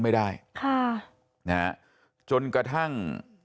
ไม่ได้ค่ะนะฮะจนกระทั่ง